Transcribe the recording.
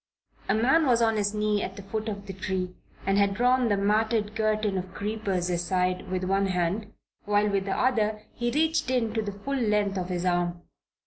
A man was on his knees at the foot of the tree and had drawn the matted curtain of creepers aside with one hand while with the other he reached in to the full length of his arm.